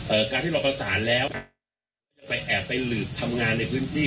การที่เราประสานแล้วจะไปแอบไปหลืบทำงานในพื้นที่